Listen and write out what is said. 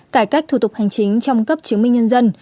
cải cách thủ tục hành chính trong cấp chứng minh nhân dân